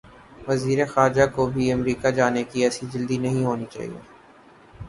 وزیر خارجہ کو بھی امریکہ جانے کی ایسی جلدی نہیں ہونی چاہیے۔